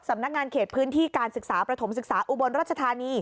สำนักงานเขตพื้นที่การศึกษาประถมศึกษาอุบลรัชธานี